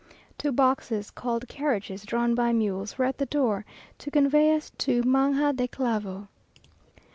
Two boxes, called carriages, drawn by mules, were at the door, to convey us to Magna de Clavo.